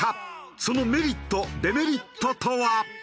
そのメリットデメリットとは？